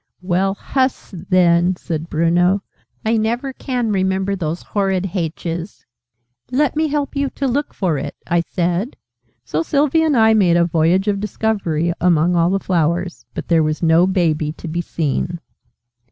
"Well, hus, then," said Bruno. "I never can remember those horrid H's!" "Let me help you to look for it," I said. So Sylvie and I made a 'voyage of discovery' among all the flowers; but there was no Baby to be seen.